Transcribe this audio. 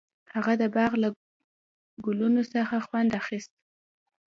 هغه د باغ له ګلونو څخه خوند اخیست.